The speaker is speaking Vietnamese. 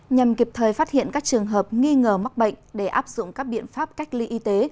nhằm kịp thời phát hiện các trường hợp nghi ngờ mắc bệnh để áp dụng các biện pháp cách ly y tế